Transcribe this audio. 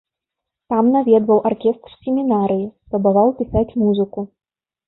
Там наведваў аркестр семінарыі, спрабаваў пісаць музыку.